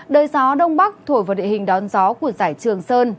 đời gió đông bắc thổi vào địa hình đón gió của giải trường sơn